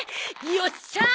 よっしゃあ！